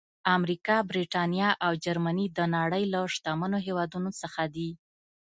امریکا، برېټانیا او جرمني د نړۍ له شتمنو هېوادونو څخه دي.